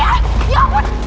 ah ya ampun